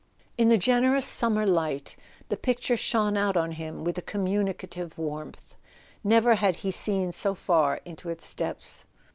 In the generous summer light the picture shone out on him with a communicative warmth: never had he seen so far into its depths.